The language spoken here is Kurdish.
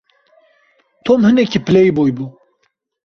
Tom hinekî playboy bû.